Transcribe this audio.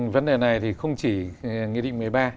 vấn đề này thì không chỉ nghị định một mươi ba